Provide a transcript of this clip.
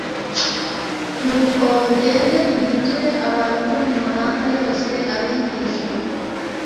Nuko mugende muhindure abantu bo mu mahanga yose abigishwa,